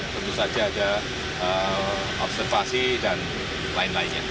tentu saja ada observasi dan lain lainnya